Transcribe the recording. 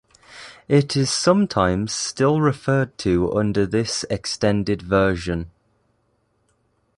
It is sometimes still referred to under this extended version.